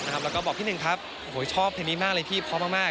แล้วก็บอกพี่หนึ่งครับโอ้โหชอบเพลงนี้มากเลยพี่เพราะมาก